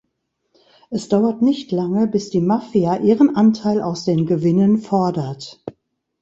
Es dauert nicht lange, bis die Mafia ihren Anteil aus den Gewinnen fordert.